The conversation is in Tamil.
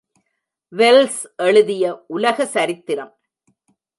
வெல்ஸ் எழுதிய உலக சரித்திரம்.